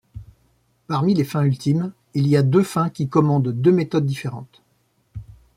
Parmi les fins ultimes, il y a deux fins qui commandent deux méthodes différentes.